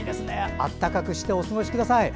あったかくしてお過ごしください。